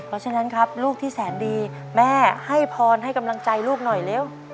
เพราะฉะนั้นครับลูกที่แสนดีแม่ให้พรให้กำลังใจลูกหน่อยเร็ว